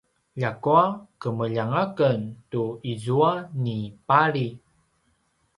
ljakua kemeljang aken tu izua ni pali